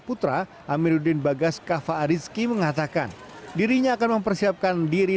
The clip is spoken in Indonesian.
barito putra amiruddin bagas kafa arisky mengatakan dirinya akan mempersiapkan diri